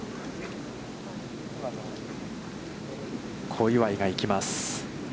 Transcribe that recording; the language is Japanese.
小祝が行きます。